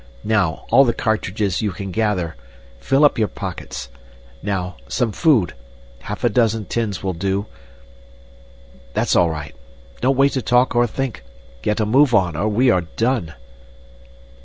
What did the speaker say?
Now, all the cartridges you can gather. Fill up your pockets. Now, some food. Half a dozen tins will do. That's all right! Don't wait to talk or think. Get a move on, or we are done!"